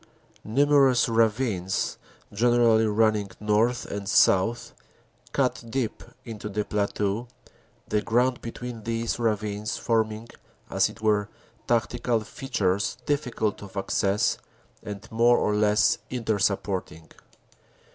Numerous ravines, gen erally running north and south, cut deep into the plateau, the ground between these ravines forming, as it were, tactical features difficult of access and more or less inter supporting.